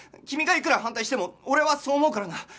君がいくら反対しても俺はそう思うからな！